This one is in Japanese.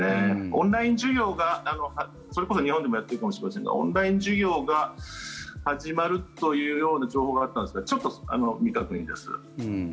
オンライン授業がそれこそ日本でもやってるかもしれませんがオンライン授業が始まるというような情報があったんですが未確認です。